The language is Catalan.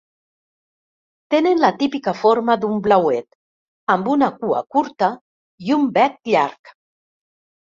Tenen la típica forma d"un blauet, amb una cua curta i un bec llarg.